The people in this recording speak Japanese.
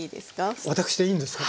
あっ私でいいんですか？